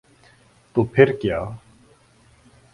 تو پھر کیا؟